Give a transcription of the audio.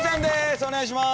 お願いします。